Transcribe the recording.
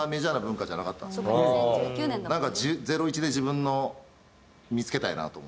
なんかゼロイチで自分の見付けたいなと思って。